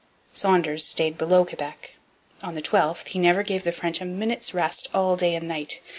Saunders stayed below Quebec. On the 12th he never gave the French a minute's rest all day and night.